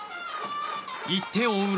１点を追う